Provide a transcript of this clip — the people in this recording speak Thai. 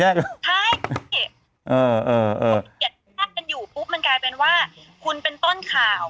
แยกใช่เออเออเอออยู่ปุ๊บมันกลายเป็นว่าคุณเป็นต้นข่าว